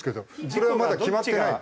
それはまだ決まってないの？